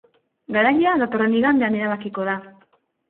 Garailea datorren igandean erabakiko da.